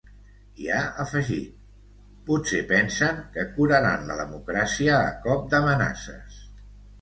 I ha afegit: ‘Potser pensen que curaran la democràcia a cop d’amenaces’.